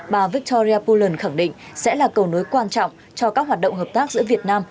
bà victoria pullen khẳng định sẽ là cầu nối quan trọng cho các hoạt động hợp tác giữa việt nam